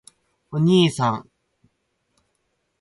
おにいさん！！！